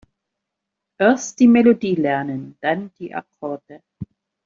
Erst die Melodie lernen, dann die Akkorde.